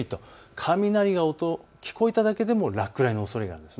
雷の音が聞こえただけでも落雷のおそれがあります。